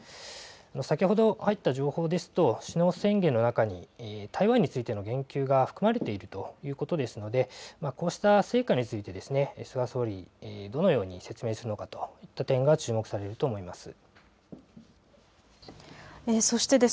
先ほど入った情報ですと首脳宣言の中に台湾についての言及が含まれているということですのでこうした成果について菅総理どのように説明するのかという点が注目されると思います。